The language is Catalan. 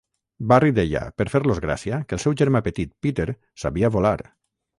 Barrie deia, per fer-los gràcia, que el seu germà petit Peter sabia volar.